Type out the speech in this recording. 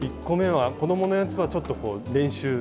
１個めは子どものやつはちょっと練習。